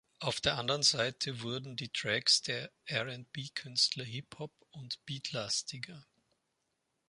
Auf der anderen Seite wurden die Tracks der R&B-Künstler Hip-Hop- und Beat-lastiger.